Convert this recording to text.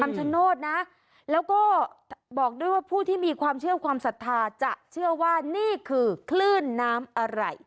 ชโนธนะแล้วก็บอกด้วยว่าผู้ที่มีความเชื่อความศรัทธาจะเชื่อว่านี่คือคลื่นน้ำอะไร